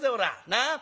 なあ。